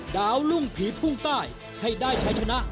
ดาวลุงผีภูมิไต้ให้ได้ใช้ชนะ